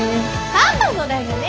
パパもだよね？